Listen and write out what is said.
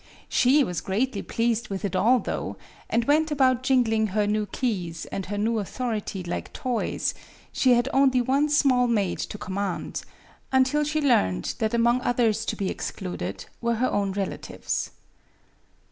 She was greatly pleased with it all, though, and went about jingling her new keys and her new authority like toys, she had only one small maid to command, until she learned that among others to be excluded were her own relatives.